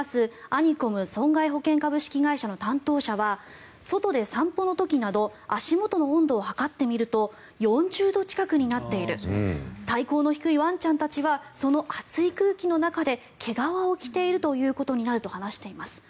アニコム損害保険会社の担当者は外で散歩の時など足元の温度を測ってみると４０度近くになっている体高の低いワンちゃんたちはその熱い空気の中で毛皮を着ていることになると話しています。